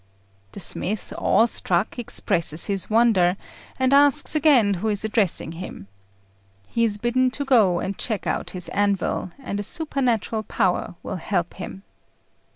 The smith, awe struck, expresses his wonder, and asks again who is addressing him. He is bidden to go and deck out his anvil, and a supernatural power will help him.